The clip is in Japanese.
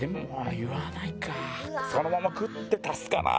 そのまま食ってたっすかな。